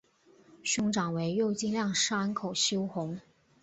兄长为右京亮山口修弘。